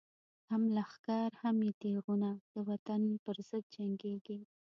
هم لښکر هم یی تیغونه، دوطن پر ضد جنګیږی